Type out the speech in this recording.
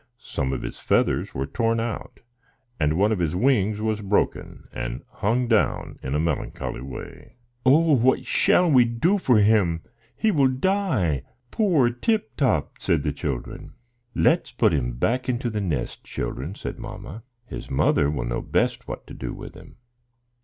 Some of his feathers were torn out, and one of his wings was broken, and hung down in a melancholy way. "Oh, what shall we do for him? He will die. Poor Tip Top!" said the children. "Let's put him back into the nest, children," said mamma. "His mother will know best what to do with him."